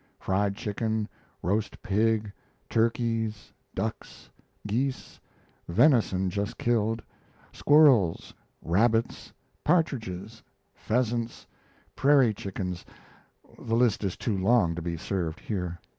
Fried chicken, roast pig, turkeys, ducks, geese, venison just killed, squirrels, rabbits, partridges, pheasants, prairie chickens the list is too long to be served here.